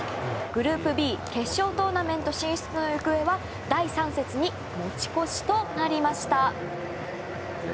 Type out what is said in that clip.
グループＢ決勝トーナメント進出の行方は第３節に持ち越しとなりました。